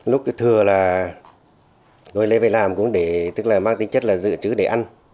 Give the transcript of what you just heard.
lúc thừa là tôi lấy về làm cũng để tức là mang tính chất là giữ chữ để ăn